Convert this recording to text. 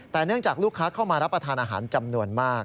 แต่เนื่องจากลูกค้าเข้ามารับประทานอาหารจำนวนมาก